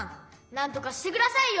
なんとかしてくださいよ！